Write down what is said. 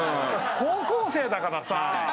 高校生だからさ。